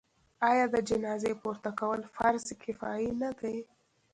آیا د جنازې پورته کول فرض کفایي نه دی؟